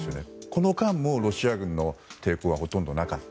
この間もロシア軍の抵抗はほとんどなかった。